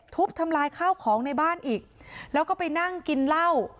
ทุบทำลายข้าวของในบ้านอีกแล้วก็ไปนั่งกินเหล้า